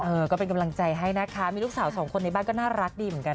ก็เป็นกำลังใจให้นะคะมีลูกสาวสองคนในบ้านก็น่ารักดีเหมือนกัน